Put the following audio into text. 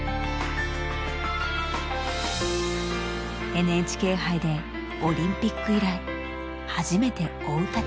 ＮＨＫ杯でオリンピック以来初めて追う立場に変わった。